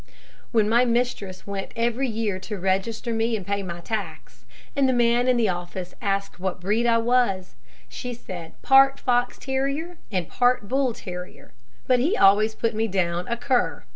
When my mistress went every year to register me and pay my tax, and the man in the office asked what breed I was, she said part fox terrier and part bull terrier; but he always put me down a cur.